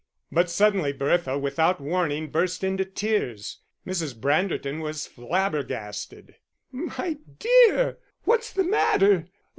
But suddenly Bertha, without warning, burst into tears. Mrs. Branderton was flabbergasted! "My dear, what is the matter?